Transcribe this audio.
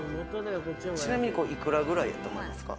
ちなみに幾らぐらいやと思いますか？